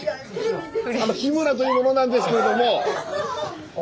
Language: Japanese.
日村というものなんですけれども。